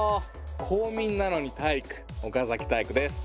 公民なのに体育岡崎体育です。